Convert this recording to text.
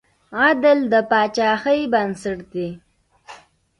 عدل د پاچاهۍ بنسټ دی.